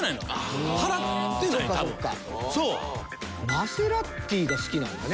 マセラティが好きなんだね。